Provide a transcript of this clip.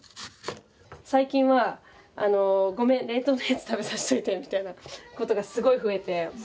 最近はあのごめん冷凍のやつ食べさしといてみたいなことがすごい増えて。